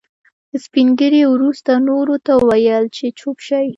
سپين ږيري وروسته نورو ته وويل چې چوپ شئ.